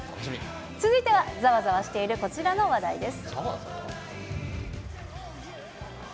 続いては、ざわざわしているこちらの話題です。